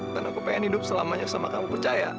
dan aku pengen hidup selamanya sama kamu percaya